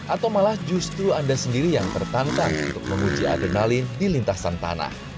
atau malah justru anda sendiri yang tertantang untuk menguji adrenalin di lintasan tanah